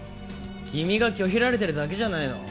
君が拒否られてるだけじゃないの？